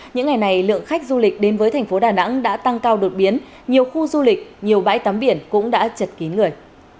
những ngày này lượng khách du lịch đến với thành phố đà nẵng đã tăng cao đột biến nhiều khu du lịch nhiều bãi tắm biển cũng đã chật kín người